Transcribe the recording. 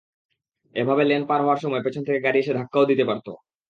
এভাবে লেন পার হওয়ার সময় পেছন থেকে গাড়ি এসে ধাক্কাও দিতে পারত।